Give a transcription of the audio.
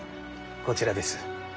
こちらです。